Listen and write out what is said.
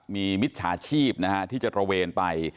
มีมิจฉาชีพที่จะตระเวนไป